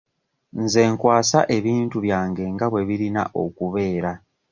Nze nkwasa ebintu byange nga bwe birina okubeera.